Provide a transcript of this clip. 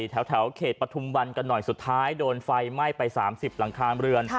แถวเขตปฐุมวันกันหน่อยสุดท้ายโดนไฟไหม้ไป๓๐หลังคาเรือน